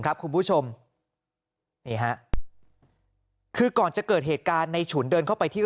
ครับคุณผู้ชมนี่ฮะคือก่อนจะเกิดเหตุการณ์ในฉุนเดินเข้าไปที่